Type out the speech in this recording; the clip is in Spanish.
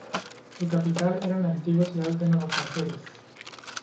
Su capital era la antigua ciudad de Nueva Cáceres.